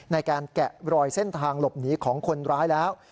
แกะรอยเส้นทางหลบหนีของคนร้ายแล้ว